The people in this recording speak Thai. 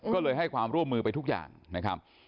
ก็เลยให้ความร่วมมือไปทุกอย่างนะครับ